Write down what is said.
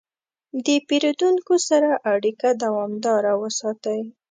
د پیرودونکو سره اړیکه دوامداره وساتئ.